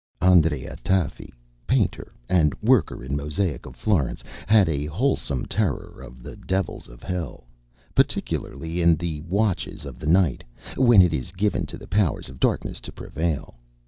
Andrea Tafi, painter and worker in mosaic of Florence, had a wholesome terror of the Devils of Hell, particularly in the watches of the night, when it is given to the powers of Darkness to prevail.